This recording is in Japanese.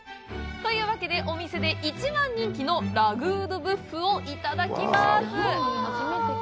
お店で一番人気のラグー・ドゥ・ブッフをいただきます。